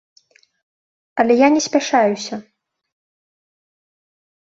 Але я не спяшаюся.